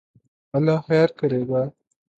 اللہ خیر کرے گا